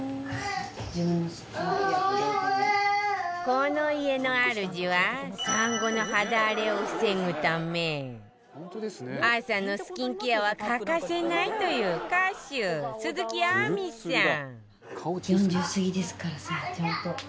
この家の主は産後の肌荒れを防ぐため朝のスキンケアは欠かせないという歌手・鈴木亜美さん。